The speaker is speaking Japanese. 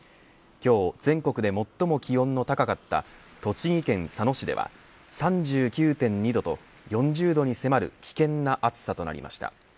今日、全国で最も気温の高かった栃木県佐野市では３９．２度と４０度に迫る危険な暑さとなりました。